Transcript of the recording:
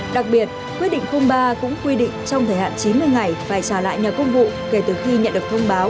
đặc biệt quyết định ba cũng quy định trong thời hạn chín mươi ngày phải trả lại nhờ công vụ kể từ khi nhận được thông báo